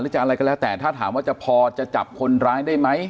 จะอะไรก็แล้วแต่ถ้าถามว่าจะพอจะจับคนร้ายได้ไหม